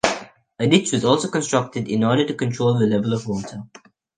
A ditch was also constructed in order to control the level of water.